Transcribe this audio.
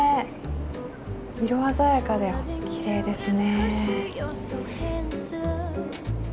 色鮮やかできれいですね。